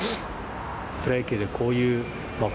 プロ野球でこういうまあ